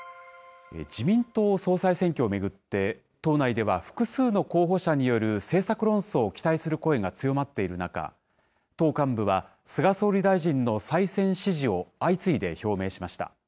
自民党総裁選挙を巡って、党内では、複数の候補者による政策論争を期待する声が強まっている中、党幹部は菅総理大臣の再選支持を相次いで表明しました。